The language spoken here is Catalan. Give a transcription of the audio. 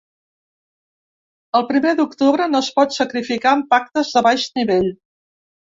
El primer d’octubre no es pot sacrificar amb pactes de baix nivell.